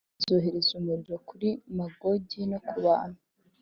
Maze nzohereza umuriro kuri Magogi no ku bantu